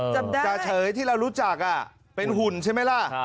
จ่าเฉยที่เรารู้จักเป็นหุ่นใช่ไหมล่ะ